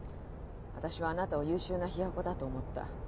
私はあなたを優秀なヒヨコだと思った。